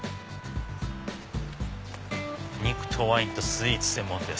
「肉とワインとスイーツ専門店」。